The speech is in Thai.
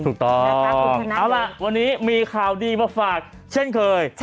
ถูกต้องวันนี้มีข่าวดีมาฝากเช่นเคย